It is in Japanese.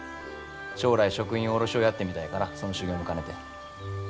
将来食品卸をやってみたいからその修業も兼ねて。